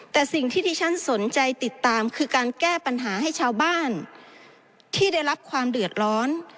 แต่สิ่งที่ที่ฉันสนใจติดตามคือการแก้ปัญหาให้ชาวบ้านที่ได้รับความเดือดร้อน